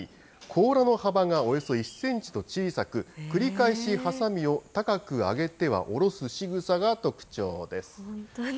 甲羅の幅がおよそ１センチと小さく、繰り返しはさみを高く上げては下ろすしぐさが特徴です。